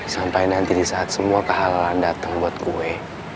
sampai nanti di saat semua kehalalan dateng buat gue